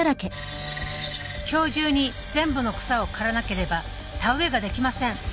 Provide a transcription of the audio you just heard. ［今日中に全部の草を刈らなければ田植えができません］